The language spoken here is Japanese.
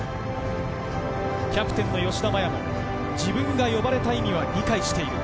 キャプテンの吉田麻也は自分が呼ばれた意味を理解している。